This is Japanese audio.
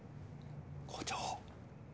校長！